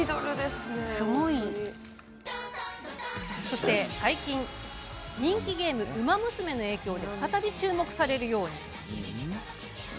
そして、最近人気ゲーム「ウマ娘」の影響で再び注目されるように。